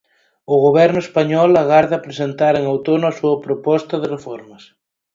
O Goberno español agarda presentar en outono a súa proposta de reformas.